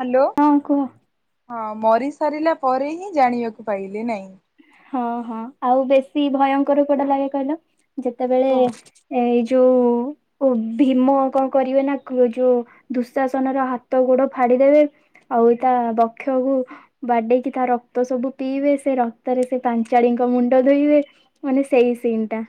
Hello ହଁ କୁହ ହଁ ମରିସାରିଲା ପରେ ହିଁ ଜାଣିବାକୁ ପାଇଲେ ନାଇଁ। ହଁ ହଁ ଆଉ ବେଶୀ ଭୟଙ୍କର କଉଟା ଲାଗେ କହିଲ ଯେତେବେଳେ। ଓହ ଏଇ ଯୋଉ। ଓ ଭୀମ କଣ କରିବେ ନା କ ଯୋଉ ଦୁଶାସନ ର ହାତ, ଗୋଡ ଫାଡିଦେବେ। ଆଉ ତା ବକ୍ଷକୁ ବାଡେଇକି ତା ରକ୍ତ ସବୁ ପିଇବେ ସେ ର କ୍ତ ରେ ସେ ପାଞ୍ଚାଳିଙ୍କ ମୁଣ୍ଡ ଧୋଇବେ ମାନେ ସେଇ ସିନ୍ ଟା।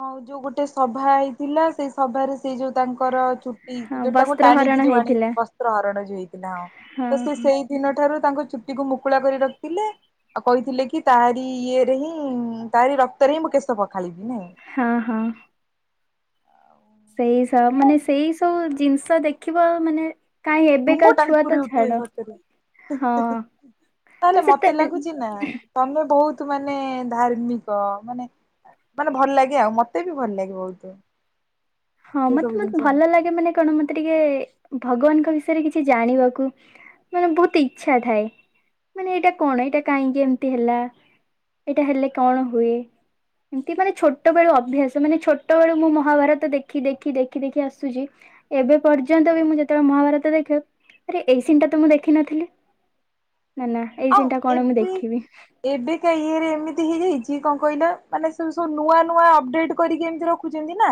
ହଁ ଆଉ ଯୋଉ ଗୋଟେ ସଭା ହେଇଥିଲା ସେଇ ସଭାରେ ସେଇ ଯୋଉ। ତାଙ୍କର ଚୁଟି ହଁ ଯୋଉ ତାଙ୍କୁ ବସ୍ତ୍ର ହରଣ ଟାଣିକି ଯୋଉ ଆଣି ହେଇଥିଲା ବସ୍ତ୍ର ହରଣ ଯୋଉ ହେଇଥିଲା ହଁ ତ ସେ ସେଇ। ଦିନ ଠାରୁ ତାଙ୍କ ଚୁଟିକୁ ମୁକୁଳା କରି ରଖିଲେ। ଆଉ କହିଥିଲେ କି ତାରି ଇଏରେ ହିଁ ତାରି ରକ୍ତରେ ହିଁ ମୁଁ କେଶ ପଖାଳିବି ନାଇଁ। ହଁ ହଁ। ସେଇ ସ ମାନେ ସେଇ ସବୁ ଜିନିଷ ଦେଖିବ ମାନେ। କାହିଁ ଏବେ କା ରୁମ ଛୁଆ ଟାଙ୍କୁରି ତ ଉଠେ ଛାଡ ସତରେ। ହଁ। ତାହେଲେ ମାନେ ମତେ ସେତେ ଲାଗୁଛି ନା ଏମ। ତମେ ବହୁତ ମାନେ ଧାର୍ମିକ ମାନେ। ମାନେ ଭଲ ଲାଗେ ଆଉ ମତେ ବି ଭଲ ଲାଗେ ବହୁତ। ହଁ ସେ ସବୁ ମତେ ମତେ ଜିନିଷ। ଭଲ ଲାଗେ ମାନେ କଣ ମତେ ଟିକେ ଭଗବାନଙ୍କ ବିଷୟରେ କିଛି ଜାଣିବାକୁ। ମାନେ ବହୁତ ଇଚ୍ଛା ଥାଏ ମାନେ ଏଇଟା କଣ ଏଇଟା କାହିଁକି ଏମିତି ହେଲା। ଏଇଟା ହେଲେ କଣ ହୁଏ। ଏମିତି ମାନେ ଛୋଟ ବେଳୁ ଅଭ୍ୟାସ ମାନେ ଛୋଟ ବେଳୁ ମୁଁ ମହାଭାରତ ଦେ ଖି ଦେଖି ଦେଖି ଦେଖି ଆସୁଛି ଏବେ ପର୍ଯ୍ୟନ୍ତ ବି ମୁଁ ଯେତେବେଳେ ମହାଭାରତ ଦେଖେ। ଆରେ ଏଇ ସିନ୍ ଟା ତ ମୁଁ ଦେଖିନଥିଲି ନା ନା ଏଇ ଆଉ ସିନ୍ ଟା କଣ ମୁଁ ଦେଖିବି। ଏବେ କା ଇଏରେ ଏମିତି ହେଇଯାଇଛି କଣ କହିଲ ମାନେ ସେମ ସବୁ ନୂଆ ନୂଆ ଅପଡେଟ୍ କରିକି ଏମିତି ର ଦେଖୁଛନ୍ତି ନା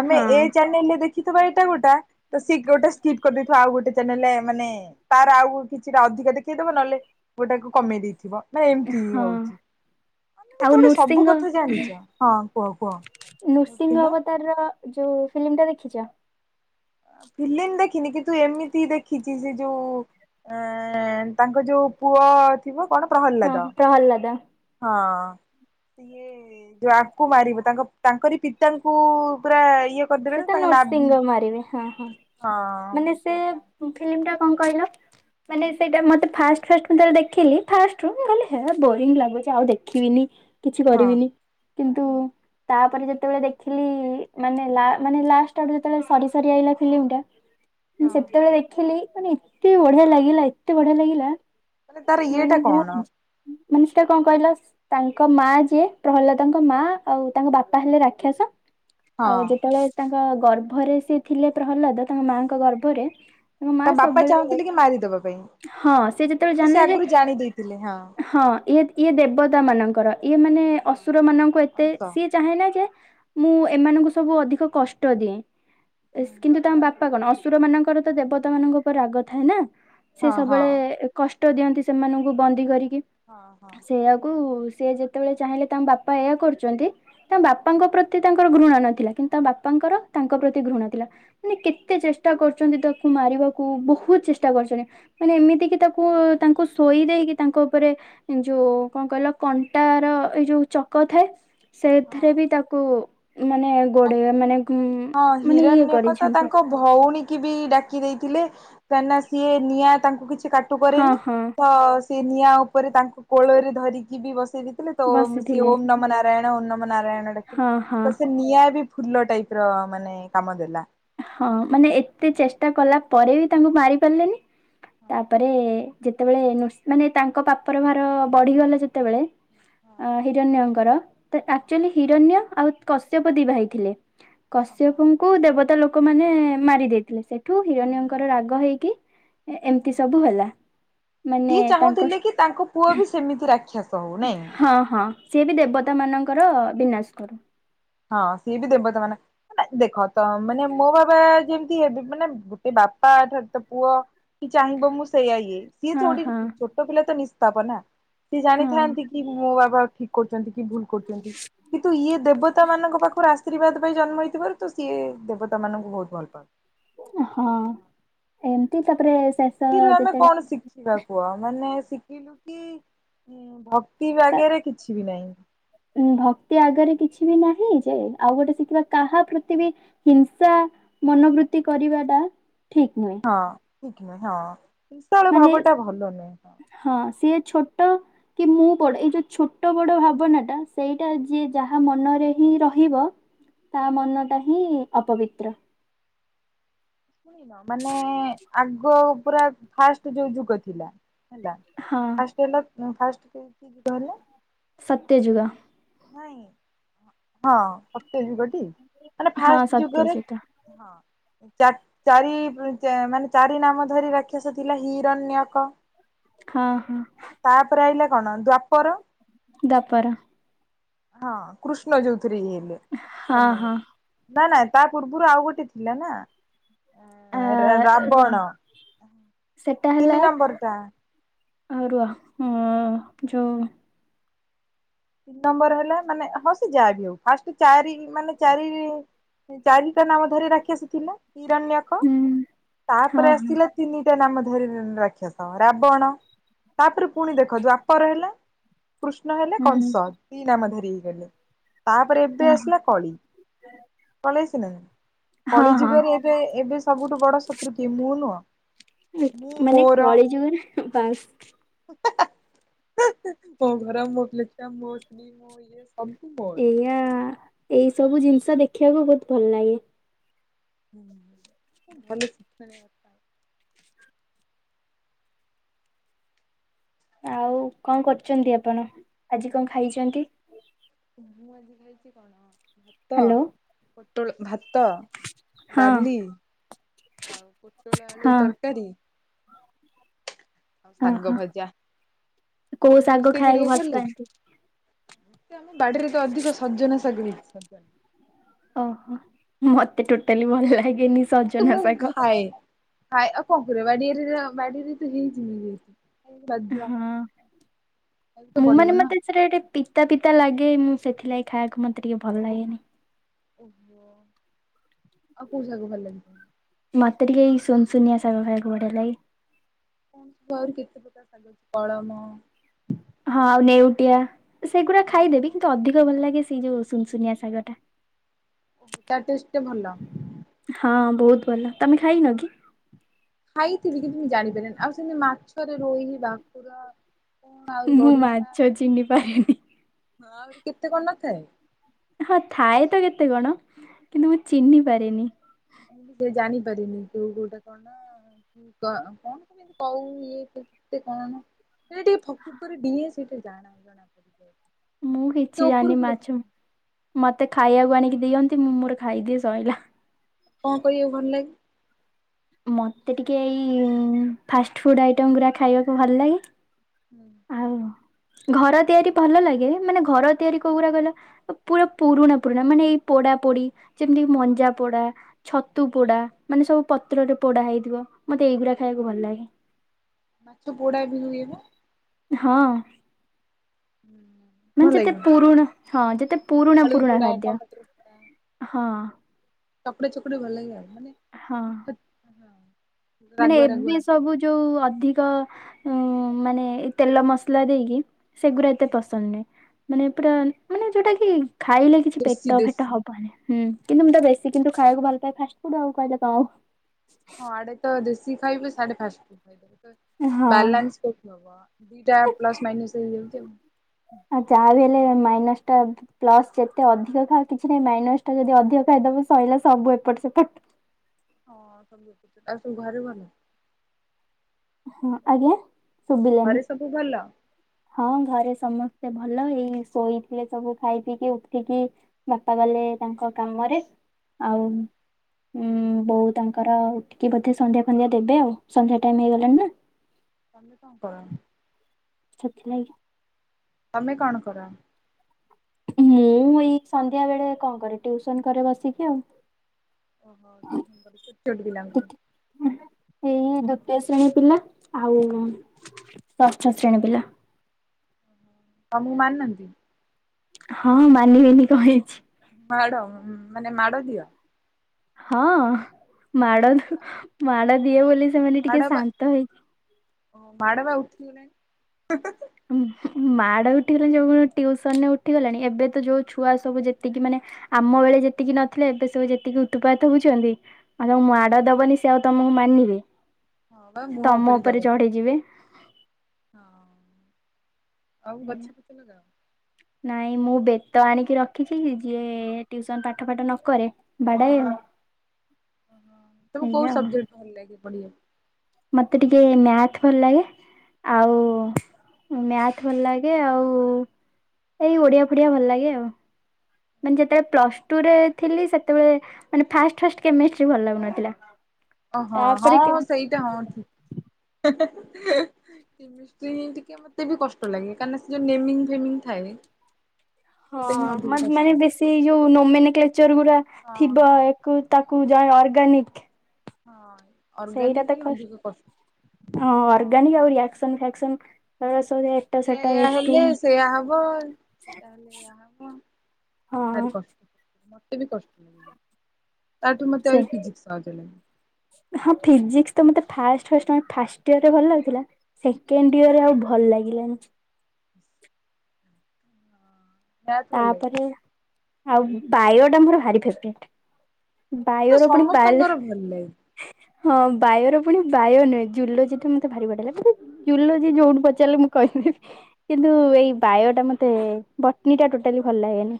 ଆମେ ହଁ ଏ ଚ୍ୟାନେଲରେ ଦେଖିଥିବା ଏଟା ଗୋଟା। ତ ସି ଗୋଟେ ସ୍କିପ୍ କରିଦେଇଥିବ ଆଉ ଗୋଟେ ଚ୍ୟାନେଲରେ ମାନେ ତାର ଆଉ କିଛିଟା ଅଧିକ ଦେଖେଇଦବ ନହେଲେ। ଗୋଟାକୁ କମେଇ ଦେଇଥିବ ନା ଏମିତି ହଁ ହଉଛି। ତମେ ବି ଆଉ ଥୋଡି ସବୁ ନୃସିଂହ କଥା ଜାଣିଛ ହଁ କୁହ କୁହ [inaudible] ଙ୍କ। ତାର ଯୋଉ ଫିଲିମ୍ ଟା ଦେଖିଛ? ଫିଲିମ୍ ଦେଖିନି କିନ୍ତୁ ଏମିତି ଦେଖିଛି ସେ ଯୋଉ। ଏ ତାଙ୍କ ଯୋଉ ପୁଅ ଥିବ କଣ ହଁ ପ୍ରହ୍ଲାଦ। ପ୍ରହ୍ଲାଦ। ହଁ। ଇଏ ଯଉ ଆଙ୍କୁ ମାରିବ ତାଙ୍କ ତାଙ୍କରି ପିତାଙ୍କୁ ପୁରା ଇଏ। କରିଦେବେ ନା ସେଟା ତାଙ୍କ ନାଭି ନୃଷୀଙ୍ଗ ମାରିବେ ହଁ ହଁ ହଁ ମାନେ ସେ। ସେଇଟା ଉଁ ଫିଲିମ ଟା କଣ କହିଲ ମାନେ ସେଇଟା ମତେ ଫାର୍ଷ୍ଟ ଫାର୍ଷ୍ଟ। ମୁଁ [unintelligible] ଦେଖିଲି ଫାର୍ଷ୍ଟରୁ ମୁଁ କହିଲି ହେ ବୋରିଙ୍ଗ ଲାଗୁଛି ଆଉ ଦେଖିବିନି। କିଛି ହଁ କରିବିନି କିନ୍ତୁ ତାପରେ ଯେତେବେଳେ ଦେଖିଲି ମାନେ ଲା ମାନେ ଲାଷ୍ଟ ଆଡୁ ଯେତେବେଳେ ସରି ସରି ଆଇଲା ଫିଲିମ୍ ଟା ମୁଁ ହଁ ସେତେବେଳେ ଦେଖିଲି ମାନେ ଏ ଏତେ ବଢିଆ ଲାଗିଲା, ଏତେ ବଢିଆ ଲାଗିଲା ମାନେ ତାର ମାନେ ଇଏଟା ମୁଁ କଣ? ମନିଷ୍ା କଣ କହିଲ [unintelligible] ତାଙ୍କ ମା ଯିଏ ପ୍ରହ୍ଲାଦଙ୍କ ମା। ଆଉ ତାଙ୍କ ବାପା ହେଲେ ରାକ୍ଷସ। ଆଉ ହଁ ଯେତେବେଳେ ତାଙ୍କ ଗର୍ଭରେ ସେ ଥିଲେ ପ୍ରହ୍ଲାଦ, ତାଙ୍କ ମା ଙ୍କ ଗର୍ଭରେ ମା ତା ବାପା ସବୁବେଳେ ଚାହୁଁଥିଲେ କି ମାରିଦବା ପାଇଁ? ହଁ, ସେ ଯେତେବେଳେ ସେ ଜାଣିଲେ ଯେ, ଆଗରୁ ଜାଣି ଦେଇଥିଲେ ହଁ। ୟେ ଇଏ ଦେବତା ମାନଙ୍କର। ଇଏ ମାନେ ହଁ ଅସୁର ମାନଙ୍କୁ ଏତେ ଅଂଶ ସିଏ ଚାହେଁନା ଯେ ମୁଁ ଏମାନଙ୍କୁ ସବୁ ଅଧିକ କଷ୍ଟ ଦିଏ, କିନ୍ତୁ ତାଙ୍କ ବାପା କଣ ଅସୁର ମାନଙ୍କର ତ ଦେବତା ମାନଙ୍କ ଉପରେ ରାଗ ଥାଏ ନା, ସେ ହଁ ହଁ ସବୁବେଳେ କଷ୍ଟ ଦିଅନ୍ତି ସେମାନଙ୍କୁ ବନ୍ଦୀ କରିକି। ହଁ, ହଁ। ସେଇଆକୁ ସେ ଯେତେବେଳେ ଚାହିଁଲେ ତାଙ୍କ ବାପା ଏହା କରୁଛନ୍ତି ତାଙ୍କ ବାପାଙ୍କ ପ୍ରତି ତାଙ୍କର ଘୃଣା ନଥିଲା। କିନ୍ତୁ ତା ବାପାଙ୍କର ତାଙ୍କ ପ୍ରତି ଘୃଣା ଥିଲା। ମାନେ କେତେ ଚେଷ୍ଟା କରୁଛନ୍ତି ତାକୁ ମାରିବାକୁ, ବହୁତ ଚେଷ୍ଟା କରିଛନ୍ତି। ମାନେ ଏମିତିକି ତାକୁ ତାଙ୍କୁ ଶୋଇ ଦେଇକି ତାଙ୍କ ଉପରେ ଯୋଉ କଣ କହିଲ କଣ୍ଟା ର ଏଇ ଯୋଉ ଚକ ଥାଏ ସେଥିରେ ହଁ। ବି ତାକୁ ମାନେ ଗୋଡେଇ ମାନେ ହଁ ମାନେ ଇଏ ହିରଣ୍ୟକ ତ କରିଛନ୍ତି। ତାଙ୍କ ଭଉଣୀ କି ବି ଡାକି ଦେଇଥିଲେ। କାହିଁକି ନା ସିଏ ନିଆଁ ତାଙ୍କୁ କିଛି କାଟି ହଁ କରେନି। ହଁ ତ ସେ ନିଆଁ ଉପରେ ତାଙ୍କୁ କୋଳରେ ଧରିକି ବି ବସେଇ ଦେଇଥିଲେ। ତ ସିଏ ବସିଥିଲେ ଓମ୍ ନମଃ ନାରାୟଣ, ଓମ୍ ନମଃ ନାରାୟଣ ଡାକିଲେ। ହଁ ହଁ। ତ ସେ ନିଆଁ ବି ଫୁଲ ଟାଇପ୍ ର। ପ [unintelligible] ମାନେ କାମଦେଲା। ହଁ, ମାନେ ଏତେ ଚେଷ୍ଟା କଲା ପରେ ବି ତାଙ୍କୁ ମାରି ପାରିଲେନି, ତାପରେ ଯେତେବେଳେ ନୃଶ ମାନେ ତାଙ୍କ ପାପର ଭାର ବଢିଗଲା ଯେତେବେଳେ ଅ ହିରଣ୍ୟଙ୍କର। ଆଚୁଆଲି ହିରଣ୍ୟ ଆଉ କଶ୍ୟପ ଦି ଭାଇ ଥିଲେ। ଓହୋ କଶ୍ୟପଙ୍କୁ ଦେବତା ଲୋକମାନେ ମାରି ଦେଇଥିଲେ। ସେ ଠୁ ହୁଁ ହୁଁ ହୁଁ। ହିରଣ୍ୟଙ୍କର ରାଗ ହେଇକି ଏମିତି ସବୁ ହେଲା। ମାନେ ସିଏ ତାଙ୍କ ଚାହୁଁଥିଲେ କି ତାଙ୍କ ପୁଅ ହଁ, ବି ସେମିତି ରାକ୍ଷସ ହଉ ନାଇଁ। ହଁ ସିଏ ବି ହଁ ଦେବତାମାନଙ୍କର ବିନାଶ କରୁ। ହଁ, ସିଏ ବି ଦେବତା ମାନେ ଦେଖ ତ ମାନେ ମୋ ବାବା ଯେମିତି ହେ ମାନେ ବାପା ସହିତ ପୁଅ କି ଚାହିଁବ ମୁଁ ସେଇଆ ଇୟେ। ସିଏ ତ ହଁ ଗୋଟେ ହଁ ଛୋଟ ପିଲା ତ ନିଷ୍ପାପ ନା, ସିଏ ହଁ ଜାଣିଥାନ୍ତି କି ମୋ ବାବା ଠିକ କରୁଛନ୍ତି କି ଭୁଲ କରୁଛନ୍ତି। କିନ୍ତୁ ଇଏ ଦେବ ଦେବତା ମାନଙ୍କ ପାଖରୁ ଆଶୀର୍ବାଦ ପାଇଁ ଜନ୍ମ ହେଇଥିବାରୁ, ତ ସିଏ ଦେବତା ମାନଙ୍କୁ ବହୁତ ଭଲ ପାଆନ୍ତି। ହଁ ଏମିତି, ତାପରେ ଶେଷ ଯେତେବେଳେ ଶିଖିବାକୁୁହ। ମାନେ [unintelligible] କି ଭକ୍ତି ଆଗରେ କିଛି ବି ନାହିଁ। ଉ ଭକ୍ତି ଆଗରେ କିଛି ବି ନାହିଁ ଯେ, ଆଉ ଗୋଟେ ଶିଖିବା କାହା ପ୍ରତି ବି ହିଂସା ମନୋବୃତ୍ତି କରିବା ଟା ଠିକ୍ ନୁହେଁ। ହଁ ଠିକ୍ ନୁହେଁ। ହଁ ବିଶାଳ ମାନେ ଭାବ ଟା ଭଲ ନୁହେଁ। ହଁ, ସିଏ ଛୋଟ କି ମୁଁ ବଡ। ଏଇ ଯୋଉ ଛୋଟ ବଡ ଭାବନା ଟା ସେଇଟା ଯିଏ ଯାହା ମନରେ ହିଁ ରହିବ ତା ମନ ଟା ହିଁ ଅପବିତ୍ର। ମାନେ ଆଗ ପୁରା ଫାଷ୍ଟ ଯୋଉ ଯୁଗ ଥିଲା? ହେଲା ହଁ ଫାଷ୍ଟ ହେଲା ଫାଷ୍ଟ କୋଉ [unintelligible] ଯୁଗ କିହଲେ ସତ୍ୟଯୁଗ। ନାଇଁ ହଁ ସତ୍ୟ ଯୁଗଟି ମାନେ ହଁ ଫାଷ୍ଟ ଯୁଗରେ ସତ୍ୟଯୁଗ ହଁ ଚା ଚାରି ମାନେ ଚାରି ନାମ ଧରି ରଖି ହେ ସେ ଥିଲା ହିରଣ୍ୟକ। ହଁ ହଁ। ତାପରେ ଆଇଲା କଣ ଦ୍ଵାପର। ଦ୍ୱାପର ହଁ କୃଷ୍ଣ ଯୋଉଥିରେ ଇୟେ ହେଲେ ହଁ ଜନମ। ହଁ ନା ନା ତା ପୂର୍ବରୁ ଆଉ ଗୋଟେ ଥିଲା ନା। ଆ ଉଁ ରା ରୁହ ରାବଣ ତିନି ନମ୍ବର ଟା। ଆ ରୁହ ଉଁ ଯୋଉ ତିନି ନମ୍ବର ହେଲା ମାନେ ହଁ ସେ ଯାହାବି ହଉ ଫାଷ୍ଟ ଚାରି ମାନେ ଚାରି ଚାରିଟା ନା କ କରେ ରାକ୍ଷସ ଥିଲା ହିରଣ୍ୟକ, ହୁଁ ହଁ ତାପରେ ହଁ ଆସିଥିଲା ତିନିଟା ନାମ ଧରିନିଅନ୍ତୁ ରାକ୍ଷସ ରାବଣ ତାପରେ ପୁଣି ଦେଖ ଦ୍ୱାପର ହେଲା କୃଷ୍ଣ ହେଲେ ହୁଁ କଂସ ଦି ନାମ ଧରି ହେଇଗଲେ ତାପରେ ଏବେ ହଁ ହଁ ଆସିଲା କଳି। କଳି ଆସିଲା ନା? ହଁ ହଁ କଳିଯୁଗରେ ଏବେ ଏବେ ସବୁଠୁ ବଡ ଶତ୍ରୁ କିଏ ମୁଁ ନୁହଁ। ମୁଁ ମାନେ ମୋର କଳିଯୁଗରେ ବାସ୍ [unintelligible] ସବୁ ମୋର। କେ ଆଁ ଏଇ ସବୁ ଜିନିଷ ଦେଖିବାକୁ ବହୁତ ଭଲ ଲାଗେ। ହୁଁ ଭଲ ଶିକ୍ଷଣିୟ ହଁ। ଆଉ କଣ କରୁଛନ୍ତି ଆପଣ, ଆଜି କଣ ଖାଇଛନ୍ତି? ମୁଁ ଆଜି ଖାଇଛି କଣ ଭାତ ହ୍ୟାଲୋ। ପୋଟଳ ଭା ତ ହଁ ଡାଲି ଆଉ ପୋ ପୋଟଳ ଆଳୁ ହଁ। ତରକାରୀ। ଆଉ ଶାଗ ଓହୋ, ଭଜା। କୋଉ ଆମକୁ ଶାଗ ରୋଷେଇ ଖାଇବାକୁ କରିବାକୁ ଭଲ ଲାଗେ ପାଆନ୍ତି? ଆମ ବାଡିରେ ତ ଅଧିକ ସଜନା ଶାଗ ହେଇଛି। ଓହୋ, ମତେ ଟୋଟାଲି ଭଲ ଲାଗେନି। ତ ସଜନା ମୁଁ ଶାଗ। ଖାଏ ଖାଏ ଆଉ କଣ କରିବ ବାଡିଆରେ ବାଡିରେ ତ ହେଇଛିି ଯେ ହଁ, ତ ମୁଁ ପଡିବ ମାନେ ନା ମତେ ସେଟା ଗୋଟେ ପିତା ପିତା ଲାଗେ ମୁଁ ସେଥିଲାଗି ଖାଇବାକୁ ମତେ ଟିକେ ଭଲ ଲାଗେନି। ଓହୋ ଆଉ କୋଉ ଶାଗ ଭଲ ଲାଗେ? ମତେ ଟିକେ ଏଇ ସୁନ ସୁୁନିଆ ଶାଗ ଖାଇବାକୁ ବଢ଼ିଆ ଲାଗେ। କହନ୍ତି କଳମ ହଁ ଆଉ ନେଉଟିଆ ସେଗୁଡା ଖାଇଦେବି କିନ୍ତୁ ଅଧିକ ଭଲ ଲାଗେ ସେଇ ଯୋଉ ସୁନସୁନିଆ ଶାଗ ଟା। ତା ଟେଷ୍ଟ ଭଲ? ହଁ ବହୁତ ଭଲ। ତମେ ଖାଇନ କି? ଖାଇଥିବି କିନ୍ତୁ ଜାଣିପାରେନି, ଆଉ ସେମତି ମାଛରେ ରୋହି, ବାକୁର ମୁଁ ମାଛ ଚିହ୍ନି ପାରେନି। ହଁ ଆହୁରି କେତେ କଣ ନଥାଏ? ହଁ ଥାଏ ତ କେତେ କଣ କିନ୍ତୁ ମୁଁ ଚିହ୍ନି ପାରେନି। ସେ ଜାଣିପାରେନି କୋଉ କୋଉଟା କଣ। କଣ କଉନି ଇଏ କେତେ କଣ ସେ ଟିକେ ଫକ୍ ଫକ୍ କରି ଡିଏଁ ସେଇଠି ଜାଣା ଜଣାପଡିଯାଉଛି। ମୁଁ କିଛି ଜାଣିନି ମାଛ ମତେ ଖାଇବାକୁ ଆଣିକି ଦିଅନ୍ତି ମୁଁ ମୋର ଖାଇଦିଏ ସଇଲା। କଣ କରିବାକୁ ଭଲ ଲାଗେ? ମୋତେ ଟିକେ ଏଇ ଫାଷ୍ଟ ଫୁଡ଼ ଆଇଟମ୍ ଗୁଡ଼ା ଖାଇବାକୁ ଭଲ ଲାଗେ। ହଁ। [inaudible] ଆଉ ଘର ତିଆରି ଭଲ ଲାଗେ ମାନେ ଘର ତିଆରି କୋଉଗୁଡା କହିଲ ପୁରା ପୁରୁଣା ପୁରୁଣା ମାନେ ଏଇ ପୋଡା ପୋଡି ଯେମିତି ମଞ୍ଜା ପୋଡା ଛତୁ ପୋଡ଼ା ମାନେ ସବୁ ପତ୍ରରେ ପୋଡ଼ା ହେଇଥିବ ମୋତେ ଏଇଗୁଡ଼ା ଓହୋ ଖାଇବାକୁ ଭଲ ଲାଗେ। ମାଛ ପୋଡା ବି ହୁଏ ନା ହଁ। [inaudible] ମାନେ ଯେତେ ପୁରୁଣା ହଁ ଯେତେ ପୁରୁଣା ଆଳୁ ପୁରୁଣା ପୋଡା ଖାଦ୍ୟ ଟମାଟର ପୋଡା ହଁ। ଚକଡା ଚକୁଡ଼ି ଭଲ ଲାଗେ ଆଉ ହଁ। [inaudible] ମାନେ ରାଗୁଆ ରାଗୁଆ ଏବେ ସବୁ ଯୋଉ ଅଧିକ ଉ ମାନେ ତେଲ ମସଲା ଦେଇକି ସେଗୁଡା ଏତେ ପସନ୍ଦ ନୁହଁ ମାନେ ପୁରା ମାନେ ଯୋଉଟା କି ଖାଇଲେ କିଛି ଦେଶୀ ପେଟ ଫେଟ ଦେଶୀ ହବ ହୁଁ କିନ୍ତୁ ମୁଁ ତ ବେଶୀ କିନ୍ତୁ ଖାଇବାକୁ ଭଲ ପାଏ ଫାଷ୍ଟଫୁଡ ଆଉ କହିଲା କଆଉ। ହଁ ଆଡେ ତ ଦେଶୀ ଖାଇବେ ସାଡେ ଫାଷ୍ଟଫୁଡ ଖାଇଦେ ହଁ। ବ୍ୟାଲନ୍ସ କେ ହବ ଦିଟା ପ୍ଲସ ମାଇନସ ହେଇ ଯାଉଛି ଆଉ। ଉ ଚାହା ବି ହେଲେ ମାଇନାସ ଟା ପ୍ଲସ ଯେତେ ଅଧିକ ଖାଅ କିଛି ନାଇଁ ମାଇନସ ଟା ଯଦି ଅଧିକ ଖାଇଦବ ସଇଲା ସବୁ ଏପଟ ସେପଟ। [inaudible] ଆଉ ସବୁ ଘରେ ଭଲ? ହଁ ଆଜ୍ଞା ଶୁଭିଲାନି। ଘରେ ସବୁ ଭଲ? ହଁ ଘରେ ସମସ୍ତେ ଭଲ ଏଇ ଶୋଇଥିଲେ ସବୁ ଖାଇ ପିଇକି ଉଠିକି ବାପା ଗଲେ ତାଙ୍କ କାମରେ ଆଉ ହୁଁ ଉଁ ବୋଉ ତାଙ୍କର ଉଠିକି ବୋଧେ ସନ୍ଧ୍ୟା ଫନ୍ଧ୍ୟା ଦେବେ ଆଉ ସନ୍ଧ୍ୟା ଟାଇମ ହେଇଗଲାଣି ନା। ତମେ କଣ କର? ସେଥିଲାଗି ତମେ କଣ କର? ମୁଁ ଏଇ ସନ୍ଧ୍ୟାବେଳେ କଣ କରେ ଟ୍ଯୁଶନ କରେ ବସିକି ଆଉ। ଓହୋ ସେ [unintelligible] ଛୋଟ ପିଲାଙ୍କୁ। ଏଇ ଦ୍ଵିତୀୟ ଶ୍ରେଣୀ ପିଲା ଆଉ ଷଷ୍ଠ ଶ୍ରେଣୀ ପିଲା। ତମକୁ ମାନନ୍ତି? ହଁ ମାନିବେନି କଣ ହେଇଛି। ମାଡ଼ ମାନେ ମାଡ଼ ଦିଅ? ହଁ ମାଡ ମାଡ଼ ଦିଏ ବୋଲି ସେମାନେ ଟିକେ ଶାନ୍ତ ହେଇକି ଓ ପାଡ ବା ଉଠିଗଲାଣି। ଉ ହୁ ମାଡ ଉଠିଗଲାଣି ଯୋଉ ଟିଉସନରେ ଉଠିଗଲାଣି ଏବେ ତ ଯୋଉ ଛୁଆ ସବୁ ଯେତିକି ମାନେ ଆମବେଳେ ଯେତିକି ନଥିଲେ ଏବେ ସବୁ ଯେତିକି ଉ ତୁପାତ ହଉଛନ୍ତି ଆଉ ତାଙ୍କୁ ହୁଁ। ମାଡ ଦବନି ସେ ଆଉ ତମକୁ ମାନିବେ ହଁ ବା ସେ ମୁହଁ ତମ ଉପରେ ଜବର ଚଢି ଯିବେ। ହଁ ଆଉ ଗଛ ପଚ ଲଗାଅ? ନାଇଁ ମୁଁ ବେତ ଆଣିକି ରଖିଛି ଯିଏ ଟ୍ୟୁସନ ପାଠ ପାଠ ନକରେ ତମୁ କୋଉ ଏଇଆ ଆଉ ସବଜେକ୍ଟ ଭଲ ଲାଗେ ପଢ଼ିଆ ମତେ ଟିକେ ମ୍ୟାଥ ଭଲ ଲାଗେ ହୁଁ। ଆଉ ମ୍ୟାଥ ଭଲ ଲାଗେ ଆଉ ଏଇ ଓଡ଼ିଆ ଫୋଡ଼ିଆ ଭଲ ଲାଗେ ଆଉ। ମାନେ ଯେତେବେଳେ ପ୍ଲସ ଟୁ ରେ ଥିଲି ସେତେବେଳେ ମାନେ ଫାଷ୍ଟ ଫାଷ୍ଟ କେମିଷ୍ଟ୍ରି ଭଲ ଲାଗୁନଥିଲା। ଓହୋ ହଁ ତାପରେ ହଁ କେମିତି ସେଇଟା ହଁ ଠିକ। କେମିଷ୍ଟ୍ରୀ ଟିକେ ମତେ ବି କଷ୍ଟ ଲାଗେ କାହିଁକି ସେ ଯୋ ନେମିଙ୍ଗ ଫେମିଙ୍ଗ ଥାଏ ସେଇଟା ହିଁ ହଁ ଅଧିକ କଷ୍ଟ। ମାନେ ଲାଗେ। ବେଶୀ ଯୋଉ ନୋମେନକ୍ଳେଚର ଗୁରା ହଁ ଥିବ ହଁ। କୁ ତାକୁ ଯା ଅର୍ଗାନିକ ହଁ। ସେଇଟା ଅର୍ଗାନିକ ତ ହିଁ କଷ୍ ଅଧିକ କଷ୍ଟ ହଁ ଅର୍ଗାନିକ୍ ଆଉ ରିଆକ୍ସନ ଫିଆକ୍ସନ ସ ଏୟା ଏୟା ହେଲେ ସେୟା ହବ ସେଟା ହେଲେ ଏୟା ହବ ହଁ ଭାରି କଷ୍ଟ। ମତେ ବି କଷ୍ଟ ଲାଗେ ତାଠୁ ମତେ ସେ ଆହୁରି ଫିଜିକ୍ ସହଜ ଲାଗେ। ହଁ ଫିଜିକ୍ସ ତ ମତେ ଫାଷ୍ଟ ଫାଷ୍ଟ ଫାଷ୍ଟ ଇୟର ରେ ଭଲ ଲାଗୁଥିଲା ସେକେଣ୍ଡ ଇୟରରେ ଆଉ ଭ ଭଲ ଲାଗିଲାନି। ମ୍ୟାଥ ଭଲ ଲାଗେ। ତାପରେ ଆଉ ବାୟୋଟା ମୋର ଭାରି ଫେବରେଟ୍। ସେଟା ବାୟୋର ପୁଣି ପାଲ ସମସ୍ତଙ୍କର ଭଲ ଲାଗେ। ହଁ ବାୟୋର ପୁଣି ବାୟୋ ନୁହେଁ ଜୁଲୋଜି ଠୁ ମତେ ଭାରି ବଢେଇଲା କି ଜୁଲୋଜି ଯୋଉଠୁ ପଚାରିଲେ ମୁଁ କହିବି। କିନ୍ତୁ ଏଇ ବାୟୋ ଟା ମତେ ବଟନୀ ଟା ଟୋଟାଲି ଭଲ ଲାଗେନି।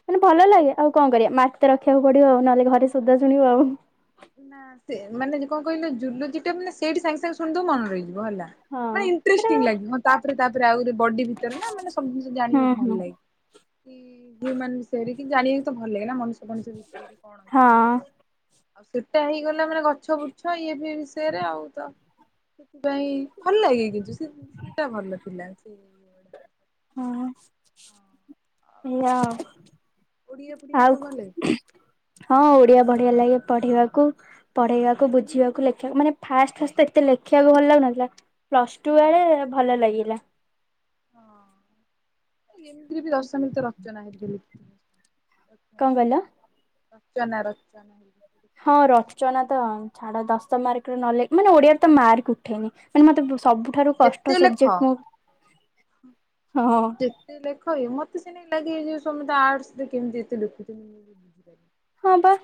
ମାନେ ଭଲ ଲାଗେ ଆଉ କଣ କରିବା ମାର୍କ ତ ରଖିବାକୁ ପଡିବ ଆଉ ନହେଲେ ଘରେ ଶୋଦା ଶୁଣିବ ଆଉ। ନା ସେ ମାନେ କଣ କହିଲ ଜୁଲୋଜିଟା ମାନେ ସେଠି ସାଙ୍ଗେ ସାଙ୍ଗେ ଶୁଣିଦବ ମନେ ରହିଯିବ ହେଲା। ହଁ ମାନେ ସେଟା ଇଣ୍ଟ୍ରେଷ୍ଟିଂ କଣ ଲାଗେ ହଁ ତାପରେ ତାପରେ ଆଉ ବଡି ଭିତରେ ନା ମାନେ ସବୁ ଜିନିଷ ଜାଣିବାକୁ ହୁଁ ହୁଁ ଭଲ ଲାଗେ। ହ୍ୟୁମାନ ବିଷୟରେ କି ଜାଣିବାକୁ ତ ଭଲ ଲାଗେ ନା ମଣିଷ ମଣିଷ ବିଷୟରେ କଣ ଅଛି ହଁ ଆଉ ସେଟା ହେଇଗଲା ମାନେ ଗଛ ବୁଛ ଇଏ ବି ଷୟରେ ଆଉ ତ ସେଥିପାଇଁ ଭଲ ଲାଗେ କିନ୍ତୁ ସେଟା ଭଲ ଥିଲା ସେ ହଁ ଆଉ ଏୟା ଓଡିଆ ଫୋଡିଆ ଆଉ। ସବୁ ଭଲ ଲାଗେ? ହଁ ଓଡିଆ ବଢିଆ ଲାଗେ ପଢିବାକୁ। ପଢେଇବାକୁ ବୁଝିବାକୁ ଲେଖିବାକୁ ମାନେ ଫାଷ୍ଟ ଫାଷ୍ଟ ଏତେ ଲେଖିବାକୁ ଭଲ ଲାଗୁନଥିଲା ପ୍ଲସ ଟୁ ବେଳେ ଭଲ ଲାଗିଲା। ହଁ ଏମିତିରେ ବି ଦଶମୀ ତ ରଚନା ହେ [unintelligible] କଣ କହିଲ? ରଚନା ରଚନା ହଁ ରଚନା ତ ଛାଡ ଦଶ ମାର୍କ ର ନଲେ ମାନେ ଓଡିଆରେ ତ ମାର୍କ ଉଠେନି ମାନେ ମତେ ସବୁଠାରୁ କଷ୍ଟ ଯେତେ ଲେଖ ସବଜେକ୍ଟ ମୁଁ ହଁ ଏତେ ଲେଖ ମତେ ସେମିତି ଲାଗେ ଯେ ସମସ୍ତେ ଆର୍ଟସରେ କେମିତି ଏତେ ଲେଖୁଛନ୍ତି? ବୁଝିପାରୁନି। ହଁ ବା।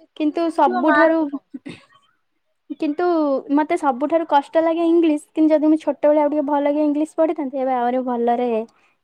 ଏତ କିନ୍ତୁ ଲେଖିବ ସବୁଠାରୁ ମାର୍କ କମ୍। କିନ୍ତୁ ମତେ ସବୁଠାରୁ କଷ୍ଟ ଲାଗେ ଇଂଲିଶ କିନ୍ତୁ ଯଦି ମୁଁ ଛୋଟ ବେଳେ ଆଉ ଟିକେ ଭଲକି ଇଂଲିଶ ପଢିଥାନ୍ତି ଏବେ ଆହୁରି ଭଲରେ